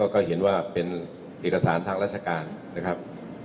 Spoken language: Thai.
ก็เห็นว่าเป็นเอกสารทางราชการนะครับ